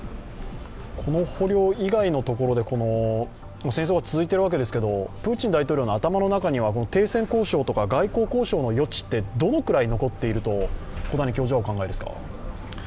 この捕虜以外のところで、戦争が続いているわけですけれども、プーチン大統領の頭の中には停戦交渉とか外交交渉の余地ってどのくらい残ってるとお考えですか？